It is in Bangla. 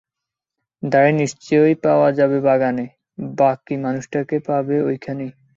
দাড়ি নিশ্চয়ই পাওয়া যাবে বাগানে, বাকি মানুষটাকে পাবে এইখানেই।